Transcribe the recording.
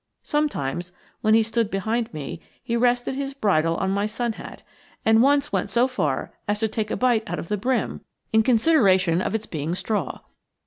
Sometimes, when he stood behind me he rested his bridle on my sun hat, and once went so far as to take a bite out of the brim in consideration of its being straw.